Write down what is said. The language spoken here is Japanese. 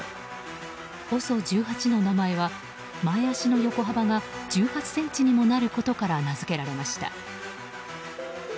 ＯＳＯ１８の名前は前足の横幅が１８ｃｍにもなることから名づけられました。